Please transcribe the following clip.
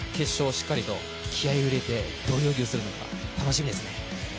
しっかりと気合いを入れてどういう泳ぎをするのか楽しみですね。